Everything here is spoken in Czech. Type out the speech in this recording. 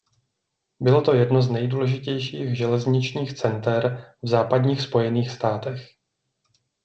Bylo to jedno z nejdůležitějších železničních center v západních Spojených státech.